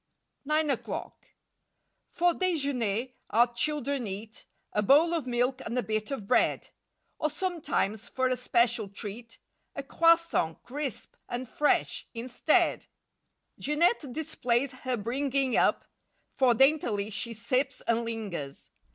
9 NINE O'CLOCK F or dejemier our children eat A bowl of milk and bit of bread; Or sometimes, for a special treat, A croissant, crisp and fresh, instead. Jeanette displays her bringing up. For daintily she sips and lingers.